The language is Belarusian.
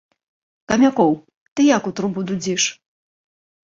Камякоў, ты як у трубу дудзіш?